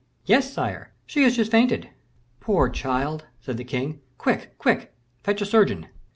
"Yes, sire, she has just fainted." "Poor child!" said the king. "Quick, quick, fetch a surgeon."